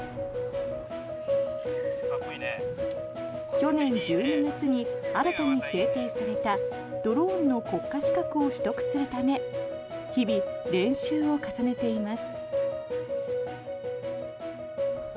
去年１２月に新たに制定されたドローンの国家資格を取得するため日々、練習を重ねています。